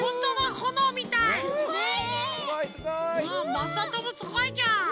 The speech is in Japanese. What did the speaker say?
まさともすごいじゃん！